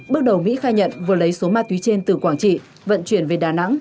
bước đầu mỹ khai nhận vừa lấy số ma túy trên từ quảng trị vận chuyển về đà nẵng